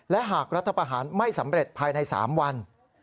และหากรัฐประหารไม่สำเร็จภายใน๓วัน